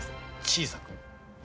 小さく。